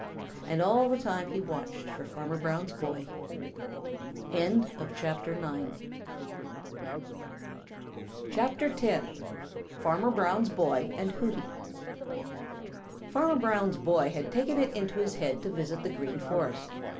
And all the time he watched for Farmer Brown's boy. CHAPTER X: Farmer Brown's Boy And Hooty Farmer Brown's boy had taken it into his head to visit the Green Forest.